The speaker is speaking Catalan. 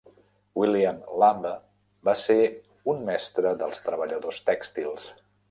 William Lambe va ser un mestre dels treballadors tèxtils.